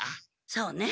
そうね。